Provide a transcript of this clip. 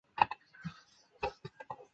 县治在缅甸著名避暑胜地花城彬乌伦。